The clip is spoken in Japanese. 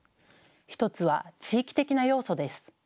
１つは地域的な要素です。